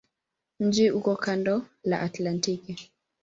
Mji uko kando la Atlantiki.